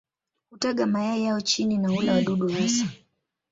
Hutaga mayai yao chini na hula wadudu hasa.